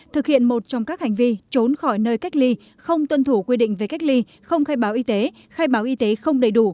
thực hiện một trong các hành vi trốn khỏi nơi cách ly không tuân thủ quy định về cách ly không khai báo y tế khai báo y tế không đầy đủ